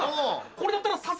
これだったら。